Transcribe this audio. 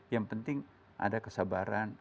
yang penting ada kesabaran